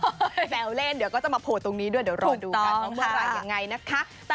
ไม่แปลวเล่นเดี๋ยวก็จะมาโผล่ตรงนี้ด้วยเดี๋ยวรอดูกันเมื่อไหร่